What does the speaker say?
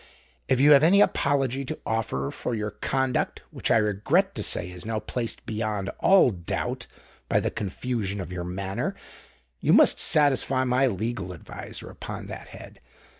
"If you have any apology to offer for your conduct—which, I regret to say, is now placed beyond all doubt by the confusion of your manner—you must satisfy my legal adviser upon that head.